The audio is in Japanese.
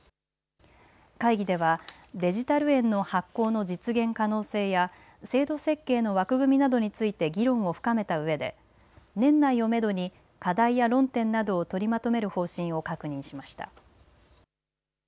会議ではデジタル円の発行の実現可能性や制度設計の枠組みなどについて議論を深めたうえで年内をめどに課題や論点などを取りまとめる方針を確認しました。